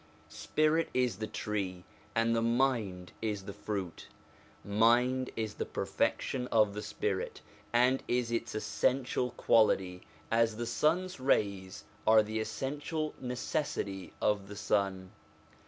Spirit is the tree, and the mind is the fruit. Mind is the perfection of the spirit, and is its essential quality, as the sun's rays are the essential necessity of the sun.